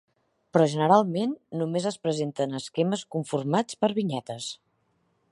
Però, generalment, només es presenten esquemes conformats per vinyetes.